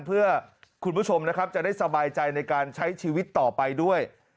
เพื่อคุณผู้ชมนะครับจะได้สบายใจในการใช้ชีวิตต่อไปด้วย